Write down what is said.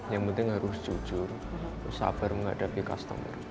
yang penting harus jujur harus sabar menghadapi customer